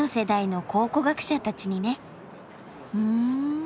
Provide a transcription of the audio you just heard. ふん。